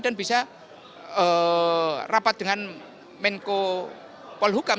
dan bisa rapat dengan menko polhukam